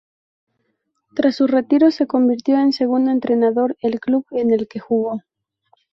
Tras su retiro se convirtió en segundo entrenador del club en el que jugó.